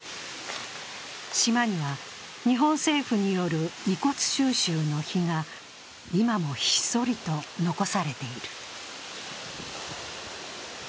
島には日本政府による遺骨収集の碑が今もひっそりと残されている。